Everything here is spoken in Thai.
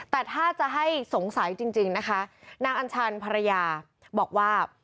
แต่ถ้าจะให้สงสัยจริงนะคะนางอัญชันภรรยาบอกว่า